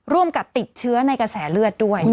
ร่วมกับติดเชื้อในกระแสเลือดด้วย